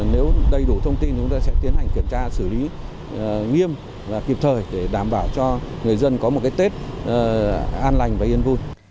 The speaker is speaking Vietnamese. nếu đầy đủ thông tin chúng ta sẽ tiến hành kiểm tra xử lý nghiêm và kịp thời để đảm bảo cho người dân có một cái tết an lành và yên vui